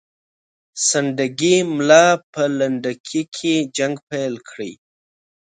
سنډکي ملا به په لنډکي کې جنګ پیل کړي.